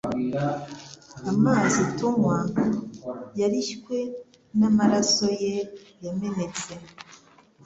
Amazi tunywa yarishywe n'amaraso ye yamenetse.